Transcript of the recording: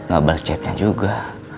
gak berchatnya juga